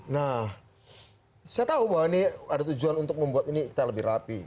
nah saya tahu bahwa ini ada tujuan untuk membuat ini kita lebih rapi